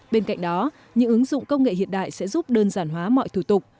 bên cạnh đó những ứng dụng công nghệ hiện đại sẽ giúp đơn giản hóa mọi thủ tục